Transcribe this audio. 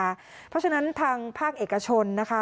เพราะฉะนั้นทางภาคเอกชนนะคะ